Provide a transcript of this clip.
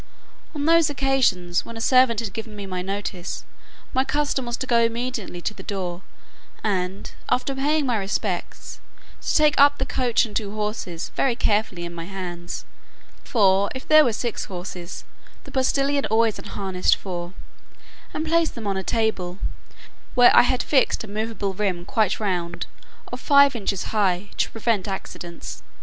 On those occasions, when a servant had given me notice, my custom was to go immediately to the door, and, after paying my respects, to take up the coach and two horses very carefully in my hands (for, if there were six horses, the postillion always unharnessed four,) and place them on a table, where I had fixed a movable rim quite round, of five inches high, to prevent accidents.